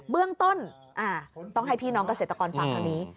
เบื้องต้นต้องให้พี่น้องเกษตรกรฟังทางนี้